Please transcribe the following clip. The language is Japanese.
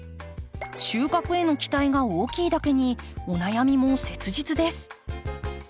収穫への期待が大きいだけにお悩みも切実です。